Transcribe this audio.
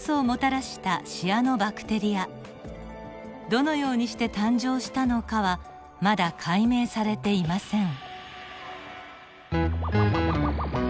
どのようにして誕生したのかはまだ解明されていません。